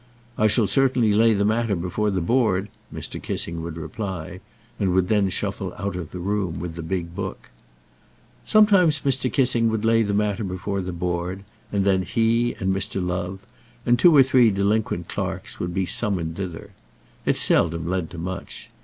"I shall certainly lay the matter before the Board," Mr. Kissing would reply, and would then shuffle out of the room with the big book. Sometimes Mr. Kissing would lay the matter before the Board, and then he, and Mr. Love, and two or three delinquent clerks would be summoned thither. It seldom led to much.